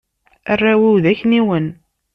Arraw-iw d akniwen.